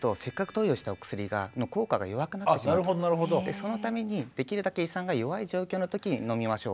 そのためにできるだけ胃酸が弱い状況の時に飲みましょう。